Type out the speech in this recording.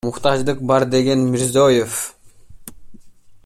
Муктаждык бар, — деген Мирзиёев.